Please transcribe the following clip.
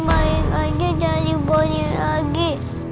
balik aja jadi boni lagi